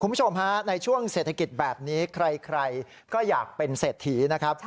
คุณผู้ชมฮะในช่วงเศรษฐกิจแบบนี้ใครก็อยากเป็นเศรษฐีนะครับ